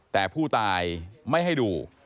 แต่ผู้ตายไม่ให้ดู